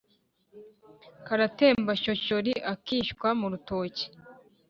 Karatemba shyoshyori-Akishywa mu rutoki.